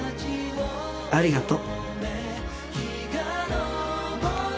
ありがとう。